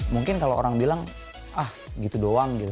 mungkin kalau orang bilang ah gitu doang gitu